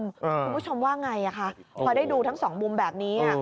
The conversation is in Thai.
คุณผู้ชมว่าไงคะพอได้ดูทั้งสองมุมแบบนี้